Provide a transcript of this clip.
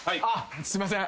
すいません。